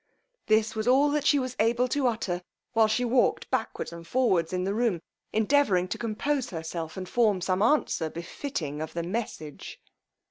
This was all she was able to utter, while she walked backward and forward in the room endeavouring to compose herself, and form some answer befitting of the message.